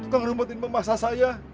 tukang rumput ini memaksa saya